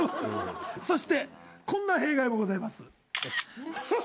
そしてこんな弊害もございます。